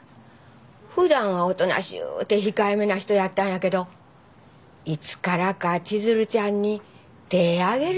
普段はおとなしゅうて控えめな人やったんやけどいつからか千鶴ちゃんに手上げるようになってな。